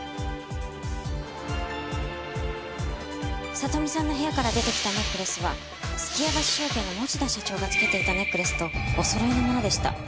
里美さんの部屋から出てきたネックレスは数寄屋橋証券の持田社長がつけていたネックレスとおそろいのものでした。